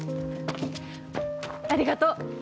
ありがとう！